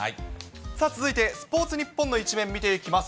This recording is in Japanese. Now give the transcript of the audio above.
さあ続いてスポーツニッポンの１面見ていきます。